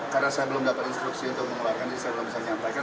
karena saya belum dapat instruksi untuk mengulangkannya saya belum bisa menyampaikan